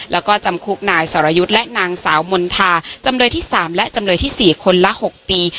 แล้วก็จำคุกนายสรยุทธ์และนางสาวมณฑาจำเลยที่๓และจำเลยที่๔คนละ๖ปี